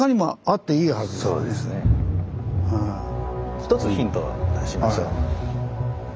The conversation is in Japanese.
１つヒントを出しましょう。